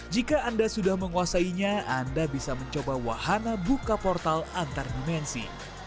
jika anda sudah menguasainya anda bisa mencoba wahana buka portal antar dimensi